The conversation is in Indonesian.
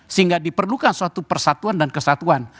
sehingga diperlukan suatu persatuan dan kesatuan